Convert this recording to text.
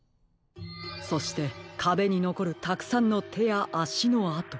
そしてかべにのこるたくさんのてやあしのあと。